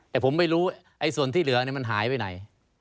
แต่ผมไม่รู้ส่วนที่เหลือมันหายไปไหน